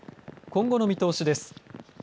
今後の見通しです。